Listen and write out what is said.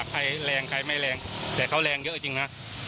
ใครเร็งใครไม่เร็ง